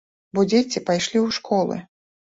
Бо дзеці пайшлі ў школы.